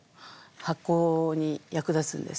発酵に役立つんです。